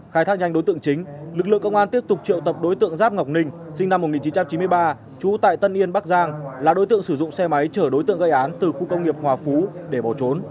khai thác nhanh đối tượng chính lực lượng công an tiếp tục triệu tập đối tượng giáp ngọc ninh sinh năm một nghìn chín trăm chín mươi ba trú tại tân yên bắc giang là đối tượng sử dụng xe máy chở đối tượng gây án từ khu công nghiệp hòa phú để bỏ trốn